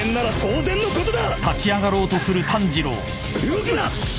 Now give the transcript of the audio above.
動くな！